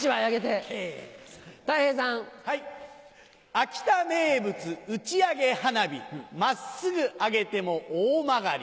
秋田名物打ち上げ花火真っすぐ上げてもオオマガリ。